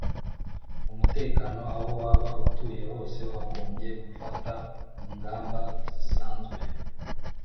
Umutekano aho waba utuye hose wagombye gufata ingamba zisanzwe